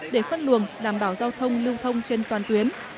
để phân luồng đảm bảo giao thông lưu thông trên toàn tuyến